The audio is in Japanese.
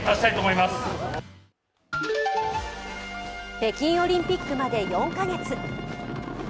北京オリンピックまで４カ月。